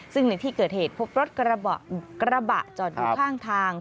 ซึ่งในที่เกิดเหตุพบรถกระบะจอดอยู่ข้างทาง